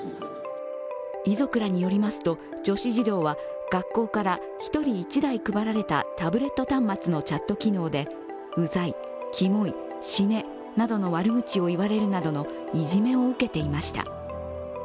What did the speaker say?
遺族らによりますと、女子児童は学校から１人１台配られたタブレット端末のチャット機能で「うざい、きもい、しね」などの悪口を言われるなどのいじめを受けていました。